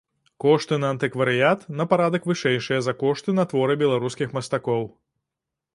Кошты на антыкварыят на парадак вышэйшыя за кошты на творы беларускіх мастакоў.